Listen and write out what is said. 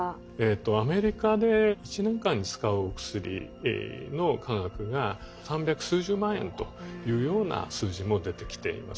アメリカで１年間に使うお薬の価格が３００数十万円というような数字も出てきています。